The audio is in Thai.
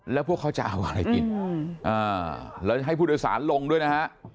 แล้วพวกเขาจะเอาอะไรกินแล้วจะให้ผู้โดยสารลงด้วยนะฮะ